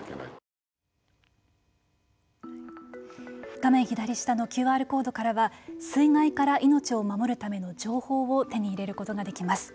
画面左下のＱＲコードからは水害から命を守るための情報を手に入れることができます。